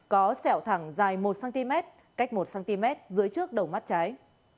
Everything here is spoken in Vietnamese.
có sẹo thẳng dài một cm cách một cm dưới trước đầu mắt trái